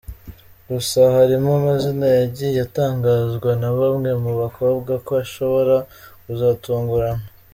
Gusa harimo amazina yagiye atangazwa na bamwe mu bakobwa ko ashobora kuzatungurana.